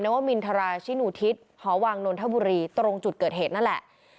วมินทราชินูทิศหอวังนนทบุรีตรงจุดเกิดเหตุนั่นแหละ